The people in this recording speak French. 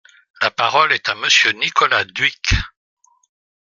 La parole est à Monsieur Nicolas Dhuicq.